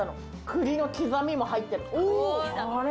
栗の刻みも入ってる。